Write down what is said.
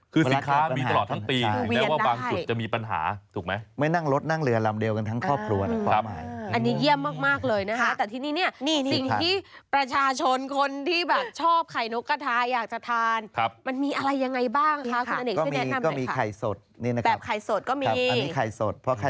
คือสินค้ามีตลอดทั้งปีแน่ว่าบางจุดจะมีปัญหา